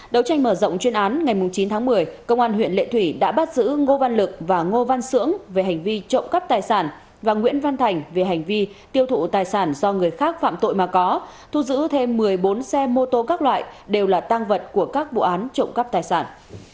đầu tranh mở rộng chuyên án ngày chín tháng một mươi công an huyện lệ thủy đã bắt giữ ngô văn lực và ngô văn sưỡng về hành vi trộm cắp tài sản và nguyễn văn thành về hành vi tiêu thụ tài sản do người khác phạm tội mà có thu giữ thêm một mươi bốn xe mô tô các loại đều là tăng vật của các vụ án trộm cắp tài sản